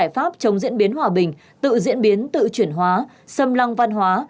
giải pháp chống diễn biến hòa bình tự diễn biến tự chuyển hóa xâm lăng văn hóa